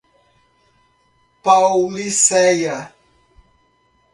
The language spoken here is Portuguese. Paulicéia